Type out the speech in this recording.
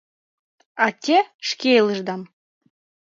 А те — шке илышдам...